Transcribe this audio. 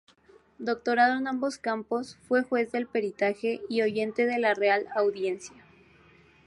Doctorado en ambos campos, fue juez del Peritaje y oyente de la Real Audiencia.